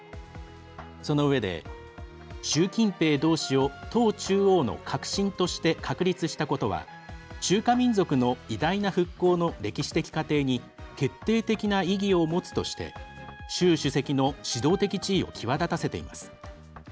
そのうえで習近平同志を党中央の核心として確立したことは中華民族の偉大な復興の歴史的過程に決定的な意義を持つとして習主席の指導的地位を際立たせています。